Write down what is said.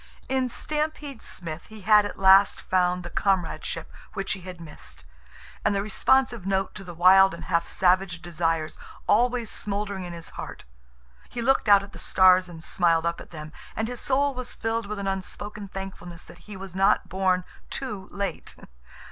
In Stampede Smith he had at last found the comradeship which he had missed, and the responsive note to the wild and half savage desires always smoldering in his heart. He looked out at the stars and smiled up at them, and his soul was filled with an unspoken thankfulness that he was not born too late.